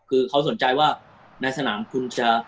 คือเขาสนใจว่าในสนามคุณจะ